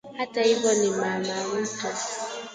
Hata hivyo ni mama-mtu